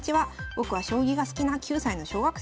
ぼくは将棋が好きな９歳の小学生です。